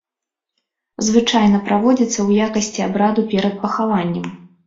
Звычайна праводзіцца ў якасці абраду перад пахаваннем.